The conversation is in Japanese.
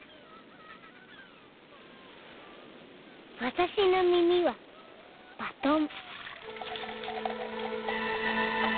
私の耳はバトン。